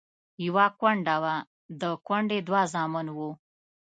يوه کونډه وه، د کونډې دوه زامن وو.